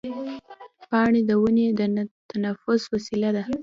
پاڼې د ونې د تنفس وسیله ده.